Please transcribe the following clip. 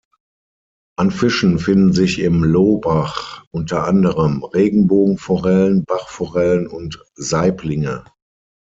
An Fischen finden sich im Lohbach unter anderem Regenbogenforellen, Bachforellen und Saiblinge.